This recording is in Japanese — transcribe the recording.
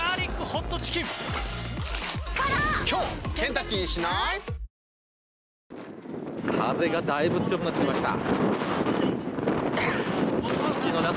カッケー風がだいぶ強くなってきました。